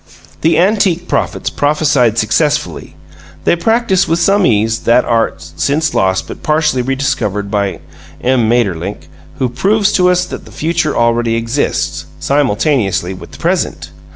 The antique prophets prophesied successfully; they practised with some ease that art since lost but partly rediscovered by M. Maeterlinck, who proves to us that the future already exists, simultaneously with the present.